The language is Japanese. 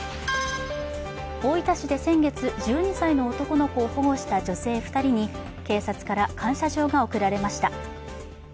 大分市で先月１２歳の男の子を保護した女性２人に警察から感謝状が贈られました。